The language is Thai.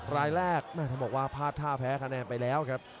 รายแรกแม่ต้องบอกว่าพลาดท่าแพ้คะแนนไปแล้วครับ